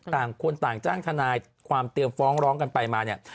ต่างคนต่างจ้างทนายความเตรียมฟ้องร้องกันไปมาเนี่ย